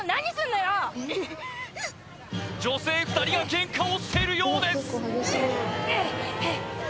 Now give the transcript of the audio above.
女性２人がケンカをしているようです